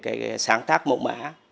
cái sáng tác mẫu mã